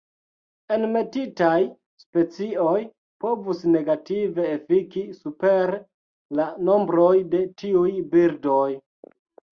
Enmetitaj specioj povus negative efiki super la nombroj de tiuj birdoj.